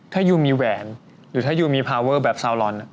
ถ้ายูมีแหวนหรือถ้ายูมีพาเวอร์แบบซาวลอน